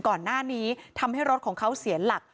ก่อนหน้านี้ทำให้รถของเขาเสียหลัก